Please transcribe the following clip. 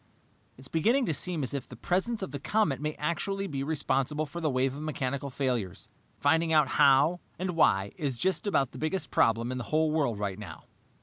"It's beginning to seem as if the presence of the comet may actually be responsible for the wave of mechanical failures. Finding out how and why is just about the biggest problem in the whole world right now."